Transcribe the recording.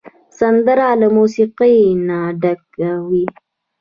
سندره له موسیقۍ نه ډکه وي